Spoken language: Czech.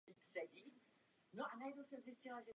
Cestovní ruch má stoupající tendenci.